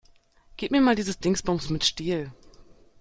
Gib mir mal dieses Dingsbums mit Stiel.